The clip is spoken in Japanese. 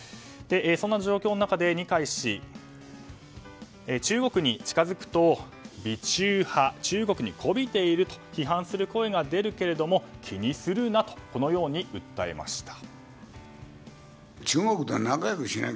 その状況の中で二階氏中国に近づくと媚中派、中国にこびていると批判する声が出るけれども気にするなとこのように訴えました。